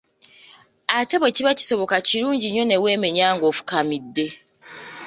Ate bwe kiba kisoboka, kirungi nnyo ne weemenya ng'ofukamidde.